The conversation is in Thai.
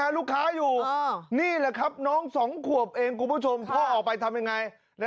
ลูกค้าอยู่นี่แหละครับน้อง๒ขวบเองคุณผู้ชมพ่อออกไปทำยังไง